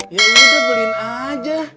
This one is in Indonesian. yaudah beliin aja